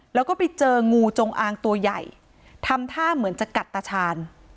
แล้วก็ไปเจองูจงอางตัวใหญ่ทำท่าเหมือนจะกัดตาชาญ